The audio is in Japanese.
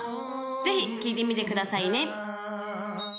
ぜひ聴いてみてくださいね